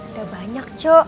udah banyak cu